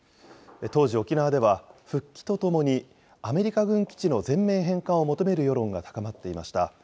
当時、沖縄では、復帰とともにアメリカ軍基地の全面返還を求める世論が高まっていました。